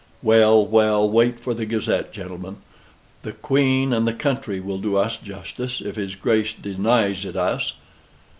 Well, well, wait for the Gazette, gentlemen. The Queen and the country will do us justice if his Grace denies it us."